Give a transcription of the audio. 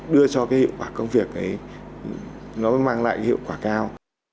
đưa cho cái hiệu quả công việc ấy nó mang lại hiệu quả cao